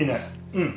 うん。